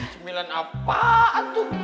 sembilan apaan tuh